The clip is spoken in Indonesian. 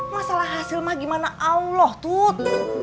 masalah hasil mah gimana allah tuh